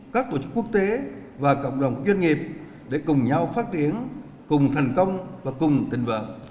các tổ chức quốc tế và cộng đồng doanh nghiệp để cùng nhau phát triển cùng thành công và cùng tình vợ